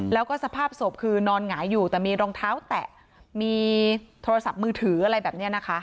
แล้วก็สภาพศพคือนอนหงายอยู่แต่มีรองเท้าแตะมีโทรศัพท์มือถืออะไรแบบนี้นะคะ